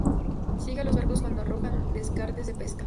Sigue a los barcos cuando arrojan descartes de pesca.